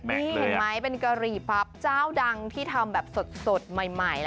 นี่เห็นไหมเป็นกะหรี่พับเจ้าดังที่ทำแบบสดใหม่